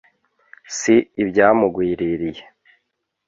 si ibyamugwiririye